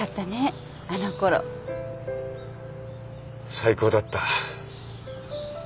最高だった。